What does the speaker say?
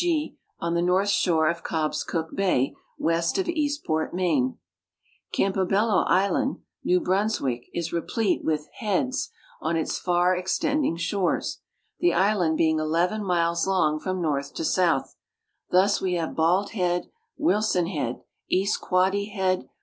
(/., on the north shore of Cobscook ba}^ west of i{lastport, ]N[aine. Campo))ello island, New Brunswick, is 'rej)lete with *' heads " on its far extending shores, the island being eleven miles long from north to south ; thus we have Bald head, Wilson head, East Quoddy head.